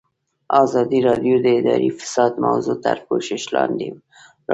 ازادي راډیو د اداري فساد موضوع تر پوښښ لاندې راوستې.